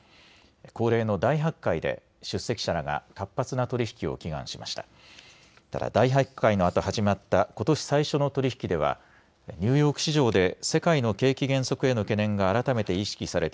恒例の大発会で出席者らが活発な取り引きを祈願しました。